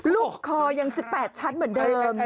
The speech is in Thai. ลูกคอยัง๑๘ชั้นเหมือนเดิม